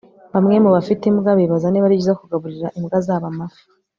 Bamwe mubafite imbwa bibaza niba ari byiza kugaburira imbwa zabo amafi